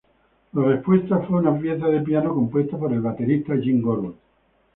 La respuesta fue una pieza de piano compuesta por el baterista Jim Gordon.